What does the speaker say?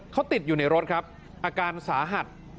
เขาติดอยู่ในรถครับอาการสาหัส